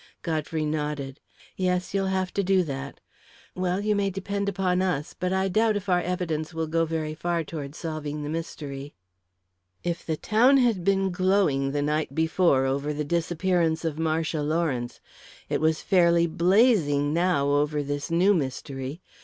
Godfrey nodded. "Yes, you'll have to do that. Well, you may depend upon us but I doubt if our evidence will go very far toward solving the mystery." If the town had been glowing the night before over the disappearance of Marcia Lawrence, it was fairly blazing now over this new mystery.